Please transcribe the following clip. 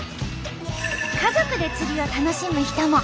家族で釣りを楽しむ人も。